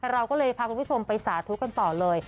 เราก็เลยพาคุณผู้ชมไปสาธุกันต่อเลย